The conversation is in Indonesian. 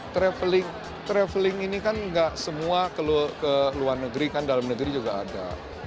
traveling traveling ini kan nggak semua ke luar negeri kan dalam negeri juga ada